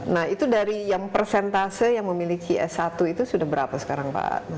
nah itu dari yang persentase yang memiliki s satu itu sudah berapa sekarang pak